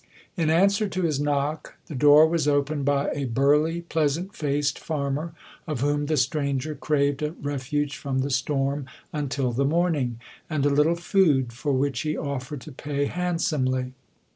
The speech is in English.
In answer to his knock, the door was opened by a burly, pleasant faced farmer, of whom the stranger craved a refuge from the storm until the morning, and a little food for which he offered to pay handsomely.